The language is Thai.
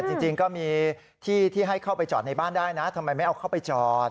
จริงก็มีที่ที่ให้เข้าไปจอดในบ้านได้นะทำไมไม่เอาเข้าไปจอด